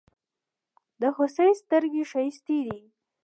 د هوسۍ ستړگي ښايستې دي.